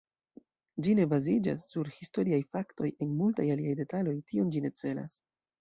Ĝi ne baziĝas sur historiaj faktoj en multaj aliaj detaloj; tion ĝi ne celas.